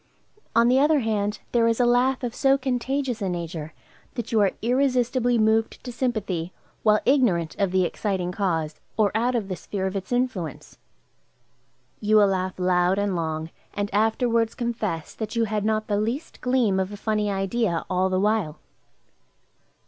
On the other hand, there is a laugh of so contagious a nature, that you are irresistibly moved to sympathy while ignorant of the exciting cause, or out of the sphere of its influence. You will laugh loud and long, and afterwards confess that you had not the least gleam of a funny idea, all the while.